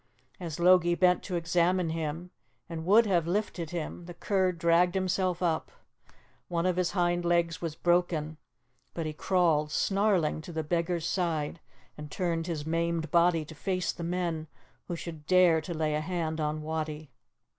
As Logie bent to examine him, and would have lifted him, the cur dragged himself up; one of his hind legs was broken, but he crawled snarling to the beggar's side, and turned his maimed body to face the men who should dare to lay a hand on Wattie.